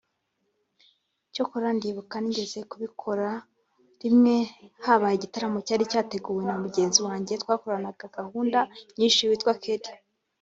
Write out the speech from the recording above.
Cyokora ndibuka nigeze kubikora rimwe habaye igitaramo cyari cyateguwe na mugenzi wanjye twakoranaga gahunda nyinshi witwa Kelly